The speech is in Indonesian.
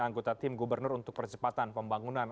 anggota tim gubernur untuk percepatan pembangunan